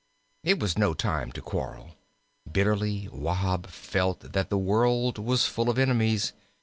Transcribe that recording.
It was no time to quarrel. Bitterly Wahb felt that the world was full of enemies.